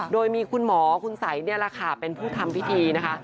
โดยมีคุณหมอคุณสัยนี่แหละค่ะเป็นผู้ทำพิธีนะคะ